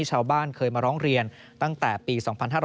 ชาวบ้านเคยมาร้องเรียนตั้งแต่ปี๒๕๕๙